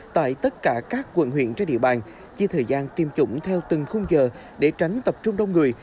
tại tất cả các quận huyện trên địa bàn chia thời gian tiêm chủng theo từng khung giờ để tránh tập trung đông người